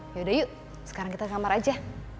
yaudah yuk sekarang kita kamar aja